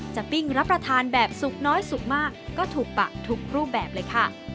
ปิ้งรับประทานแบบสุกน้อยสุกมากก็ถูกปะทุกรูปแบบเลยค่ะ